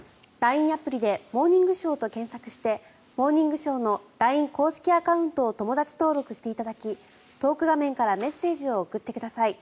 アプリで「モーニングショー」と検索をして「モーニングショー」のＬＩＮＥ公式アカウントを友だち登録していただきトーク画面からメッセージを送ってください。